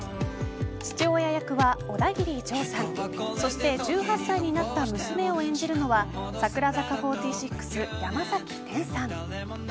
父親役はオダギリジョーさんそして１８歳になった娘を演じるのは櫻坂４６、山崎天さん。